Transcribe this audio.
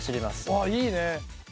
あっいいね。